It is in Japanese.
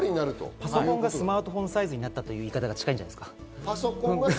パソコンがスマートフォンサイズになったという言い方が近いんじゃないですか。